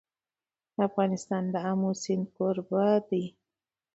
افغانستان د آمو سیند کوربه دی.